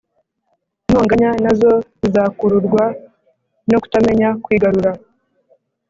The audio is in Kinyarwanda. intonganya na zo zigakururwa no kutamenya kwigarura;